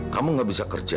kamu gak bisa kerja